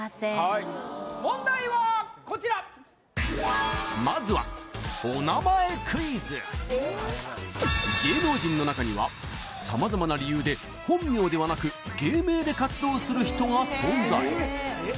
はい問題はこちらまずは芸能人の中には様々な理由で本名ではなく芸名で活動する人が存在